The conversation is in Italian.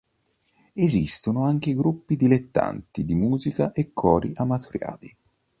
Esistono anche gruppi dilettanti di musica e cori amatoriali.